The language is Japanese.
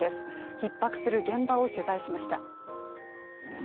ひっ迫する現場を取材しました。